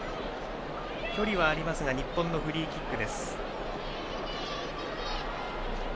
距離はありますが日本のフリーキック。